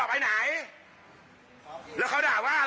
ด้วยความเคารพนะคุณผู้ชมในโลกโซเชียล